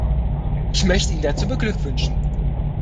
Ich möchte ihn dazu beglückwünschen.